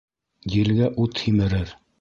Елгә ут һимерер.